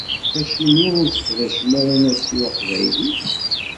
Acimi ur tesseqdacem ara anasiw aqbayli?